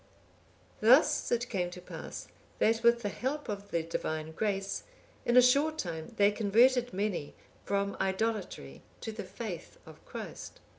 Thus it came to pass, that with the help of the Divine grace, in a short time they converted many from idolatry to the faith of Christ.